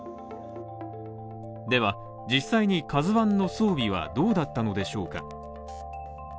では実際に「ＫＡＺＵⅠ」の装備はどうだったのでしょうか？